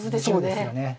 そうですよね。